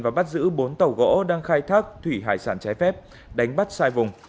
và bắt giữ bốn tàu gỗ đang khai thác thủy hải sản trái phép đánh bắt sai vùng